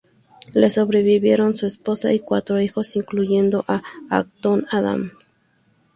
Le sobrevivieron su esposa y cuatro hijos, incluyendo a Acton Adams.